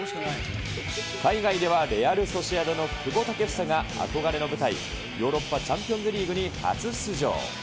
海外ではレアル・ソシエダの久保建英が、憧れの舞台、ヨーロッパチャンピオンズリーグに初出場。